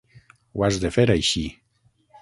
Ho has de fer així.